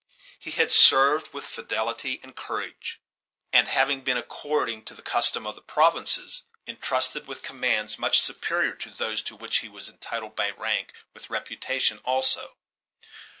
He had served with fidelity and courage, and having been, according to the custom of the provinces, intrusted with commands much superior to those to which he was entitled by rank, with reputation also.